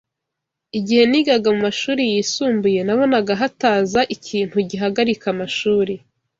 Igihe nigaga mumashuri yisumbuye, nabonaga hataza ikintu gihagarika amashuri.